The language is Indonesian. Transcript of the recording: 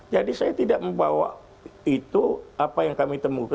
jadi saya tidak membawa itu apa yang kami temukan